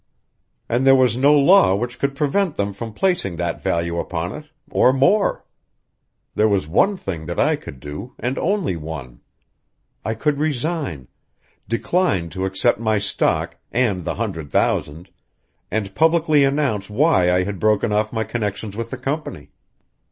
And there was no law which could prevent them from placing that value upon it, or more. There was one thing that I could do and only one. I could resign, decline to accept my stock and the hundred thousand, and publicly announce why I had broken off my connections with the company.